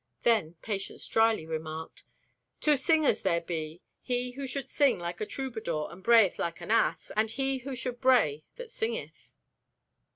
Then Patience dryly remarked: "Two singers there be; he who should sing like a troubadour and brayeth like an ass, and he who should bray that singeth."